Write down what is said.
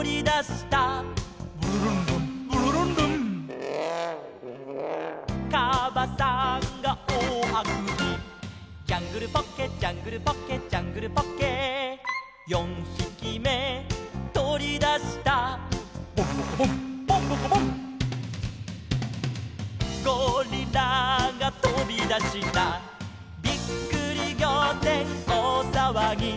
「ブルルンルンブルルンルン」「かばさんがおおあくび」「ジャングルポッケジャングルポッケ」「ジャングルポッケ」「四ひきめとり出した」「ボンボコボンボンボコボン」「ゴリラがとび出した」「びっくりぎょうてんおおさわぎ」